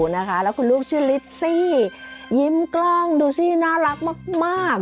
แล้วคุณลูกชื่อลิสซี่ยิ้มกล้องดูสิน่ารักมาก